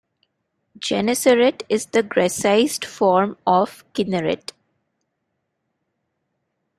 "Gennesaret" is the Grecized form of Kinneret.